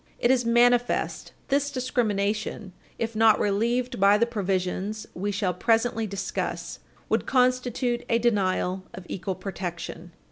It is manifest that this discrimination, if not relieved by the provisions we shall presently discuss, would constitute a denial of equal protection.